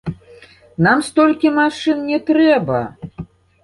Нам столькі машын не трэба!